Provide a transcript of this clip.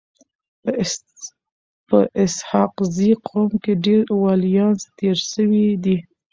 په اسحق زي قوم کي ډير وليان تیر سوي دي.